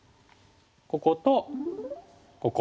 こことここ。